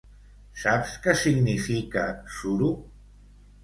Saps què significa suro?